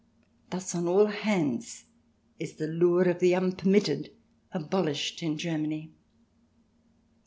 Thus on all hands is the lure of the unpermitted abolished in Germany.